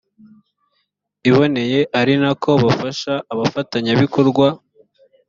iboneye ari nako bafasha abafatanyabikorwa